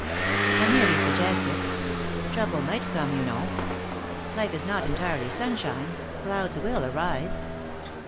"I merely suggest it. Trouble might come, you know. Life is not entirely sunshine; clouds will arise.